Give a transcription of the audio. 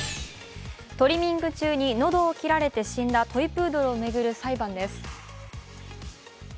トリミング中に喉を切られた死んだトイプードルを巡る裁判です。